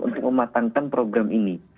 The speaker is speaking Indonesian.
untuk mematangkan program ini